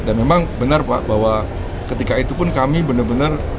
dan memang benar pak bahwa ketika itu pun kami benar benar